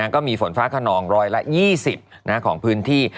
ก็มีฝนฟ้าขนองร้อยละ๒๐ของพื้นที่